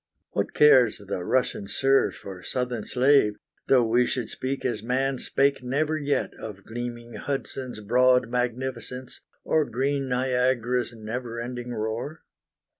What cares the Russian serf or Southern slave Though we should speak as man spake never yet Of gleaming Hudson's broad magnificence, Or green Niagara's never ending roar?